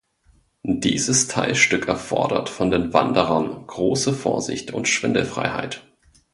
Dieses Teilstück erfordert von den Wanderern große Vorsicht und Schwindelfreiheit.